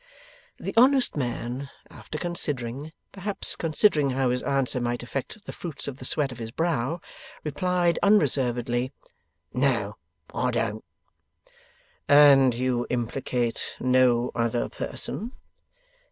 The honest man, after considering perhaps considering how his answer might affect the fruits of the sweat of his brow replied, unreservedly, 'No, I don't.' 'And you implicate no other person?